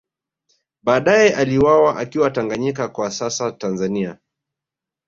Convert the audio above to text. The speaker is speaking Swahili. Baadae aliuawa akiwa Tanganyika kwa sasa Tanzania